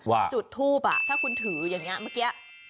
จุดทูปถ้าคุณถืออย่างนี้เมื่อกี้